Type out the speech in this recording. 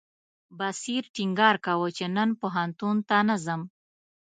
بصیر ټینګار کاوه چې نن پوهنتون ته نه ځم.